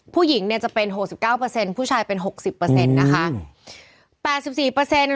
ผู้หญิงจะเป็น๖๙ผู้ชายเป็น๖๐นะคะ